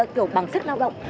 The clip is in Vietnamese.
kiểu bằng sức lao động